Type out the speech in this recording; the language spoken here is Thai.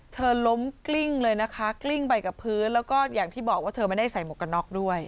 ล้มกลิ้งเลยนะคะกลิ้งไปกับพื้นแล้วก็อย่างที่บอกว่าเธอไม่ได้ใส่หมวกกันน็อกด้วย